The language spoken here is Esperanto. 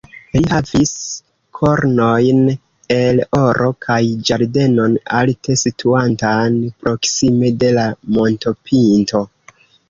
Li havis kornojn el oro kaj ĝardenon alte situantan, proksime de la montopinto.